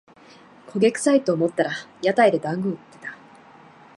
焦げくさいと思ったら屋台でだんご売ってた